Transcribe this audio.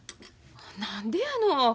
何でやの。